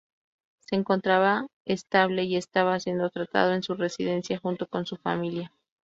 Se encontraba estable y estaba siendo tratado en su residencia junto con su familia.